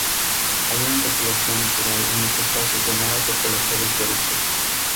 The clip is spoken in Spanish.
Hay una topología natural en este espacio, llamada topología del producto.